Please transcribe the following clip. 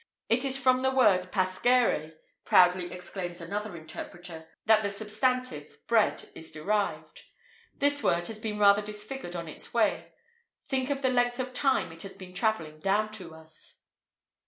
It is from the word pascere,[IV 21] proudly exclaims another interpreter, that the substantive, bread, is derived.[IV 22] This word has been rather disfigured on its way: think of the length of time it has been travelling down to us.